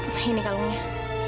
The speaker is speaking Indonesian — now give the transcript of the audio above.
nah ini kalungnya